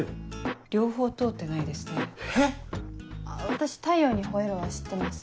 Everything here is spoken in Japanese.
私『太陽にほえろ！』は知ってます。